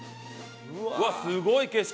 うわっすごい景色。